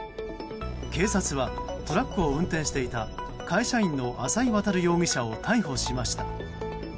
警察はトラックを運転していた会社員の浅井渉容疑者を逮捕しました。